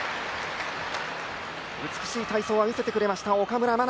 美しい体操は見せてくれました岡村真。